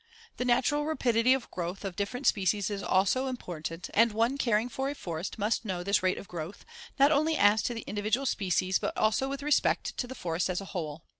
The natural rapidity of growth of different species is also important, and one caring for a forest must know this rate of growth, not only as to the individual species, but also with respect to the forest as a whole.